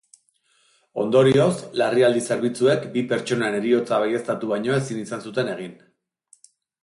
Ondorioz, larrialdi zerbitzuek bi pertsonen heriotza baieztatu baino ezin izan zuten egin.